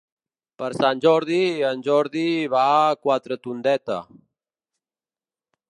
Per Sant Jordi en Jordi va a Quatretondeta.